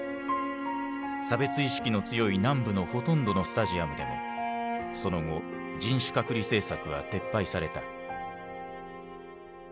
差別意識の強い南部のほとんどのスタジアムでもその後人種隔離政策は撤廃された。